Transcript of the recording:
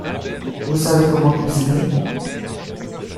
Vous savez comment cuisiner ?